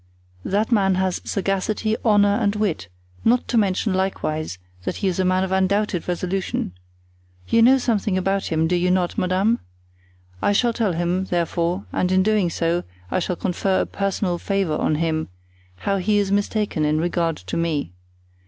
"That man has sagacity, honor and wit, not to mention likewise that he is a man of undoubted resolution. You know something about him, do you not, madame? I shall tell him, therefore, and in doing so I shall confer a personal favor on him, how he is mistaken in regard to me.